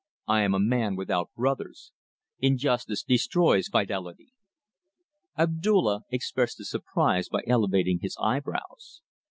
I am a man without brothers. Injustice destroys fidelity." Abdulla expressed his surprise by elevating his eyebrows.